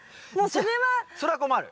それは困る。